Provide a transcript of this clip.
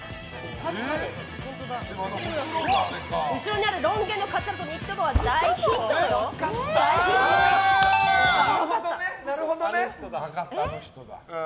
後ろにあるロン毛のカツラとニット帽は分かった！